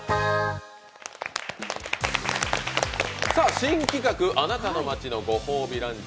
新企画「あなたの街のご褒美ランチ」。